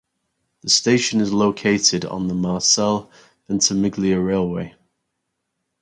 The station is located on the Marseille–Ventimiglia railway.